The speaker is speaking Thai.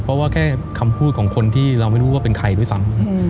เพราะว่าแค่คำพูดของคนที่เราไม่รู้ว่าเป็นใครด้วยซ้ำ